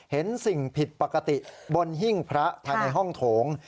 เห็นสิ่งผิดปกติบนหิ้งพระภายในห้องโถง